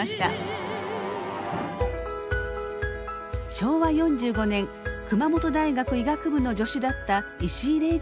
昭和４５年熊本大学医学部の助手だった石井禮次郎さんと結婚。